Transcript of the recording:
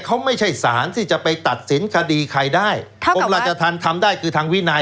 เขาไม่ใช่สารที่จะไปตัดสินคดีใครได้กรมราชธรรมทำได้คือทางวินัย